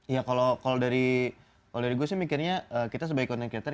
ya kalau dari gue sih mikirnya kita sebagai content creator